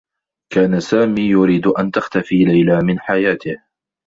كان سامي يريد أن تختفي ليلى من حياته.